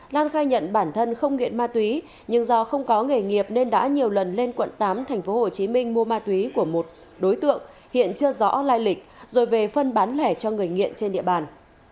lan khai nhận bản thân không nghiện ma túy nhưng do không có nghề nghiệp nên đã nhiều lần lên quận tám tp hcm mua ma túy của một đối tượng hiện chưa rõ lai lịch rồi về phân bán lẻ cho người nghiện trên địa bàn